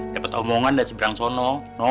dapat omongan dari seberang sono